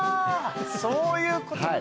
そういうことか。